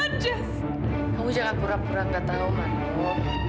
kamu jangan pura pura gak tau mano